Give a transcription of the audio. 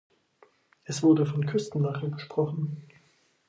Es wurde von Küstenwachen gesprochen.